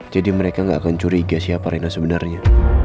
jadi mereka gak akan curiga siapa rena sebenarnya